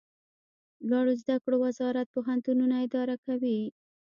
لوړو زده کړو وزارت پوهنتونونه اداره کوي